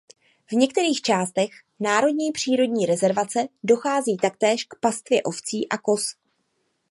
V některých částech národní přírodní rezervace dochází taktéž k pastvě ovcí a koz.